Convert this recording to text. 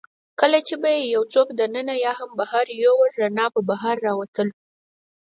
کله چي به يې یوڅوک دننه یا هم بهر یووړ، رڼا به بهر راوتل.